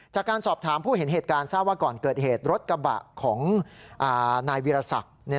จากการสอบถามผู้เห็นเหตุการณ์ทราบว่าก่อนเกิดเหตุรถกระบะของนายวิรสัก